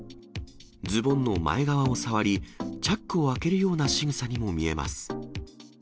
ズボンの前側を触り、チャックを開けるようなしぐさにも見えます。